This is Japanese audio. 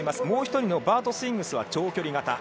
もう１人のバート・スウィングスは長距離型。